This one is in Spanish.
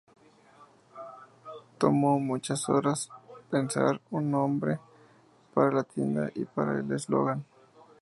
Tomó muchas horas pensar un nombre para la tienda y para el eslogan.